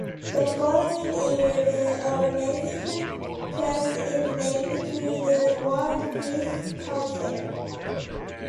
The following year the organisation changed its name to the World Peace Council.